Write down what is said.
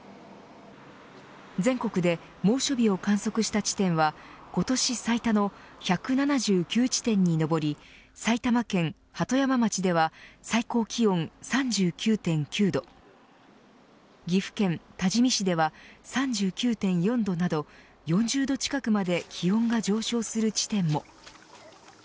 全国で猛暑日を観測した地点は今年最多の１７９地点に上り埼玉県鳩山町では最高気温３９．９度岐阜県多治見市では３９．４度など４０度近くまで気温が上昇する地点も。